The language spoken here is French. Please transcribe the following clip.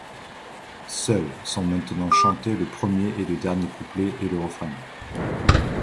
Seuls sont maintenants chantés le premier et le dernier couplets et le refrain.